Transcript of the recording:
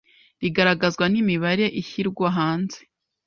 rigaragazwa n’imibare ishyirwa hanze